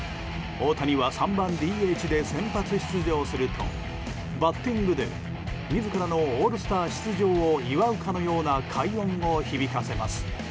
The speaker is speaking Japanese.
大谷は３番ＤＨで先発出場するとバッティングで自らのオールスター出場を祝うかのような快音を響かせます。